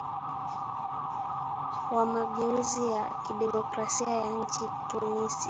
wamageuzi ya kidemokrasia ya nchini tunisia